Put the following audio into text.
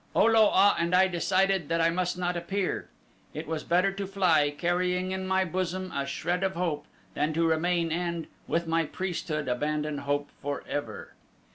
O lo a and I decided that I must not appear. It was better to fly, carrying in my bosom a shred of hope, than to remain and, with my priesthood, abandon hope forever.